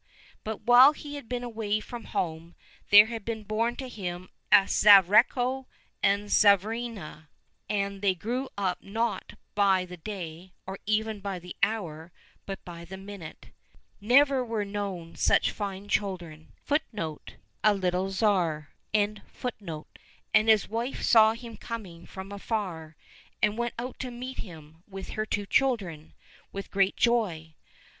But while he had been away from home, there had been born to him a Tsarevko ^ and a Tsarivna ; and they grew up not by the day, or even by the hour, but by the minute : never were known such fine children. And his wife saw him coming from afar, and went out to meet him, with her two children, with great joy.